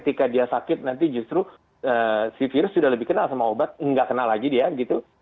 ketika dia sakit nanti justru si virus sudah lebih kenal sama obat nggak kenal lagi dia gitu